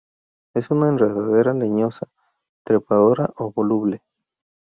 Es una enredadera leñosa, trepadora o voluble.